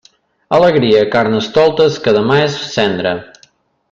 Alegria, carnestoltes, que demà és cendra.